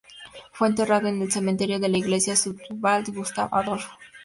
Fue enterrado en el Cementerio de la Iglesia Sundsvall Gustav Adolf.